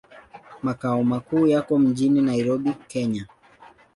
Makao makuu yako mjini Nairobi, Kenya.